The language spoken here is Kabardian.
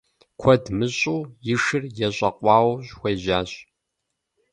Куэд мыщӏэу и шыр ещӏэкъуауэу хуежьащ.